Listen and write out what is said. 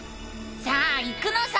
さあ行くのさ！